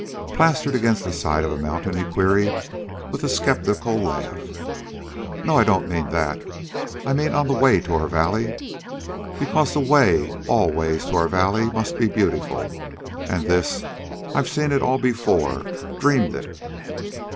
"Plastered against the side of a mountain?" he queried, with a skeptical laugh. "No; I don't mean that. I mean on the way to our valley. Because the way all ways to our valley must be beautiful. And this; I've seen it all before, dreamed it."